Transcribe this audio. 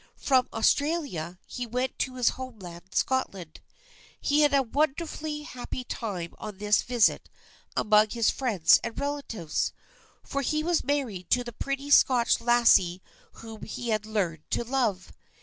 From Australia, he went to his homeland, Scotland. He had a wonderfully happy time on this visit among his friends and relatives, for he was married to the pretty Scotch lassie whom he had learned to love.